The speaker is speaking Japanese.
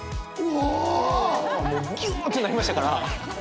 もうギュってなりましたから。